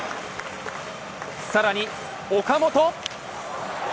さらに岡本。